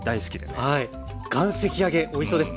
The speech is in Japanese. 岩石揚げおいしそうです。